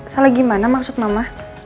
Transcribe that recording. salah gimana maksud mama